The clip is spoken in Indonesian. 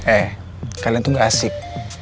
eh kalian tuh gak asik